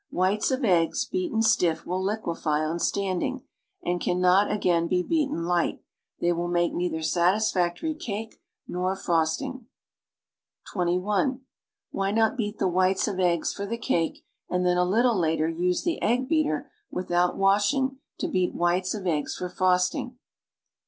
AYhites of eggs, beaten stiff, will liquify on standing and can not again be beaten light; they will make neither satisfactory cake nor frosting. (21) Wliy not beat the whites of eggs for the cake, and then a little later use the egg beater without washing to tieat whites of eggs for frosting.'